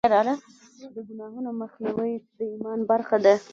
د ګناهونو مخنیوی د ایمان برخه ده.